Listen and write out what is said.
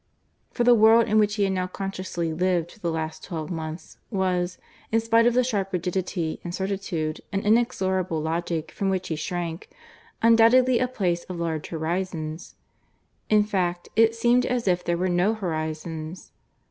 For the world in which he had now consciously lived for the last twelve months was, in spite of the sharp rigidity and certitude and inexorable logic from which he shrank, undoubtedly a place of large horizons. In fact it seemed as if there were no horizons.